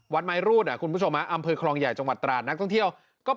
วัดไมรูดคุณผู้ชมอำเภยคลองใหญ่จังหวัดตราดนักท่องเที่ยว